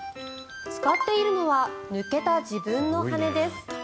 使っているのは抜けた自分の羽根です。